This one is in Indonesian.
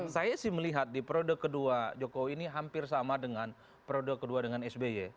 saya sih melihat di periode kedua jokowi ini hampir sama dengan periode kedua dengan sby